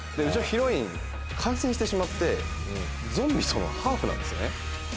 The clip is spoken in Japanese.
うちのヒロイン感染してしまってゾンビとのハーフなんですよね。